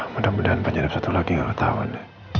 mudah mudahan penyadap satu lagi gak ketahuan